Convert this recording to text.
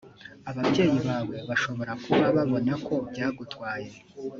ababyeyi bawe bashobora kuba babona ko byagutwaye